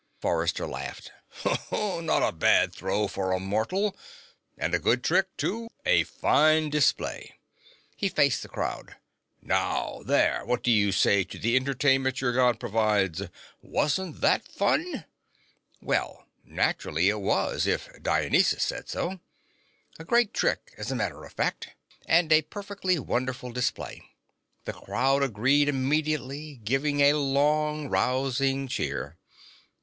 Forrester laughed. "Not a bad throw for a mortal! And a good trick, too a fine display!" He faced the crowd. "Now, there what do you say to the entertainment your God provides? Wasn't that fun?" Well, naturally it was, if Dionysus said so. A great trick, as a matter of fact. And a perfectly wonderful display. The crowd agreed immediately, giving a long rousing cheer.